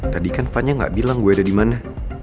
tadi kan vanya ga bilang gue ada di mana